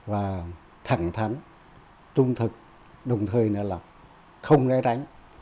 và thẳng thắn trung thực đồng thời nữa là không ra ránh